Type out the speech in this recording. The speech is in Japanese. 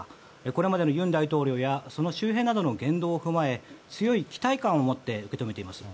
これまでの尹大統領やその周辺などの言動を踏まえ強い期待感を持って受け止めています。